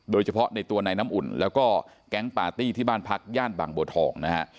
โดยเฉพาะในตัวนายน้ำอุ่นแล้วก็แก๊งปาร์ตี้ที่บ้านพักย่านบางบัวทองนะฮะ